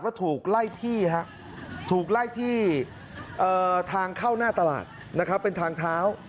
ว่าถูกไล่ที่ทางเข้าหน้าตลาดเป็นทางเท้า